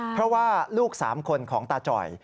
เพราะว่าลูก๓คนของตาจ่อย